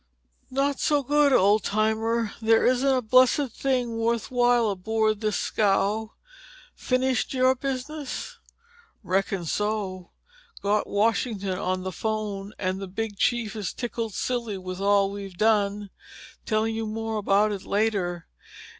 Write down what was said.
"Not so good, old timer. There isn't a blessed thing worth while aboard this scow. Finish your business?" "Reckon so. Got Washington on the phone and the big chief is tickled silly with all we've done. Tell you more about it later.